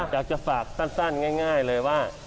อยากจะฝากสั้นง่ายเลยว่า